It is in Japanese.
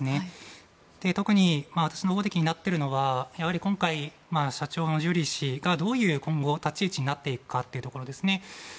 特に私のほうで気になっているのは今回、社長のジュリー氏が今後、どういう立ち位置になっていくのかですね。